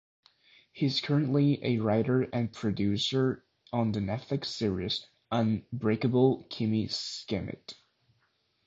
He is currently a writer and producer on the Netflix series "Unbreakable Kimmy Schmidt".